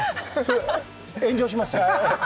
炎上します？